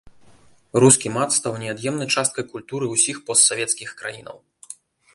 Рускі мат стаў неад'емнай часткай культуры ўсіх постсавецкіх краінаў.